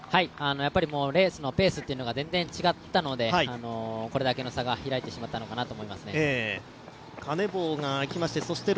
レースのペースというのが全然違ったのでこれだけの差が開いてしまったのかなと思いますね。